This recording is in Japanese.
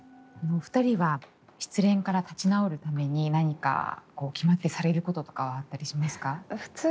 お二人は失恋から立ち直るために何か決まってされることとかはあったりしますか？